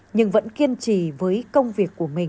nhưng vẫn kiên trì với công việc của mình